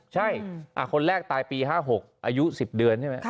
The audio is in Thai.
ใช่คนแรกตายปี๕๖อายุ๑๐เดือนใช่ไหม